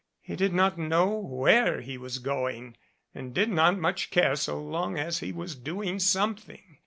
He did not know where he was going, and did not much care so long as he was doing something.